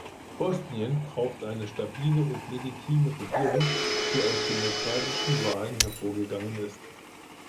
Bosnien braucht eine stabile und legitime Regierung, die aus demokratischen Wahlen hervorgegangen ist.